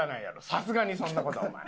さすがにそんな事お前。